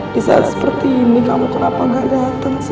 di saat seperti ini kamu kenapa gak datang sih